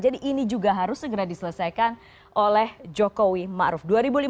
jadi ini juga harus segera diselesaikan oleh jokowi ma'ruf